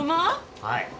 はい。